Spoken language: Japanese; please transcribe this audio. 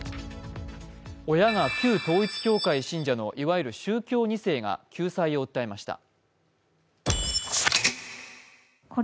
親が旧統一教会信者のいわゆる宗教２世が救済を訴えました。